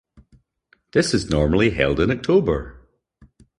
This is normally held in October.